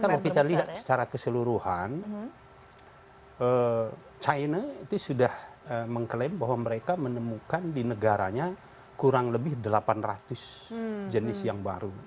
kalau kita lihat secara keseluruhan china itu sudah mengklaim bahwa mereka menemukan di negaranya kurang lebih delapan ratus jenis yang baru